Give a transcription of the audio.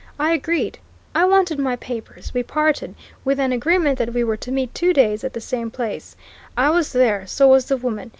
"I agreed! I wanted my papers. We parted, with an agreement that we were to meet two days later at the same place. I was there so was the woman.